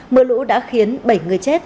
mưa lũ đã khiến bảy người chết